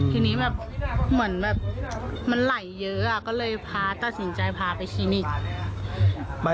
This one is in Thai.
ทีนี้แบบเหมือนแบบมันไหลเยอะก็เลยพาตัดสินใจพาไปคลินิก